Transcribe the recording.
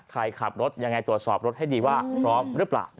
ใครขับรถยังไงตรวจสอบรถให้ดีว่าพร้อมหรือเปล่า